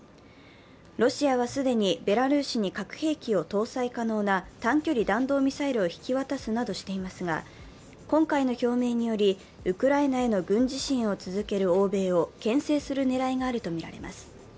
ロシアは既にベラルーシに核兵器を搭載可能な短距離弾道ミサイルを引き渡すなどしていますが今回の表明により、ウクライナへの軍事支援を続ける欧米をけん制する狙いがあるとみられます。